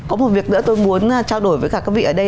có một việc nữa tôi muốn trao đổi với cả các vị ở đây